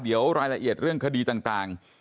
เดี๋ยวรายละเอียดเรื่องคดีต่าง